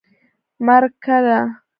_مرکه ده.